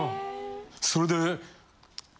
それで。